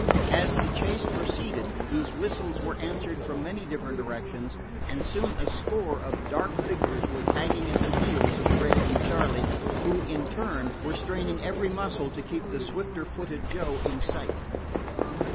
As the chase proceeded, these whistles were answered from many different directions, and soon a score of dark figures were tagging at the heels of Fred and Charley, who, in turn, were straining every muscle to keep the swifter footed Joe in sight.